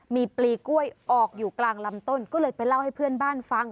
มีปลีกล้วยออกอยู่กลางลำต้นก็เลยไปเล่าให้เพื่อนบ้านฟัง